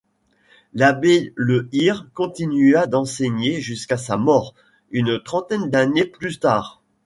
L’abbé Le Hir continua d’enseigner jusqu'à sa mort, une trentaine d'années plus tard.